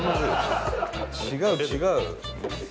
違う違う。